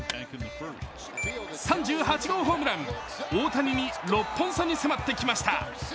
３８号ホームラン、大谷に６本差に迫ってきました。